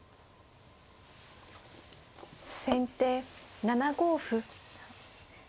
先手７五歩。